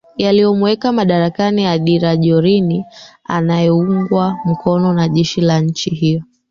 yaliomweka madarakani adira jorin anayeugwa mkono na jeshi la nchi hiyo